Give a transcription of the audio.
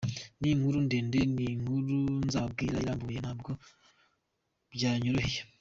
Ni inkuru ndende, ni inkuru nzababwira irambuye, ntabwo byanyoroheye.